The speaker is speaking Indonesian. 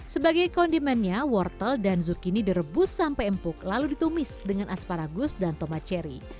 sebagai kondimennya wortel dan zukini direbus sampai empuk lalu ditumis dengan asparagus dan tomat cherry